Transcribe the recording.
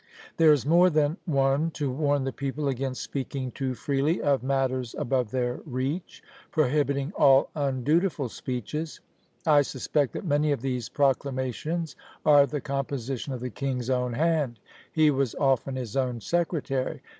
There is more than one to warn the people against "speaking too freely of matters above their reach," prohibiting all "undutiful speeches." I suspect that many of these proclamations are the composition of the king's own hand; he was often his own secretary.